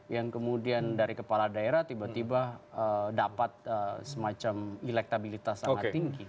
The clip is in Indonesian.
yang kemudian dari kepala daerah tiba tiba dapat semacam elektabilitas sangat tinggi